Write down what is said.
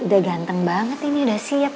udah ganteng banget ini udah siap